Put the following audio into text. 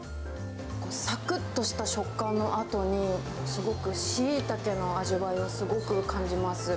さくっとした食感のあとに、すごくシイタケの味わいをすごく感じます。